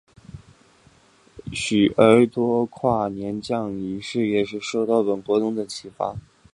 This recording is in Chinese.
而许多跨年降落仪式也正是受到本活动的启发。